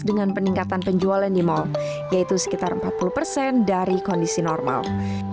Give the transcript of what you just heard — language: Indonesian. dengan peningkatan penjualan di mal yaitu sekitar empat puluh persen dari kondisi normal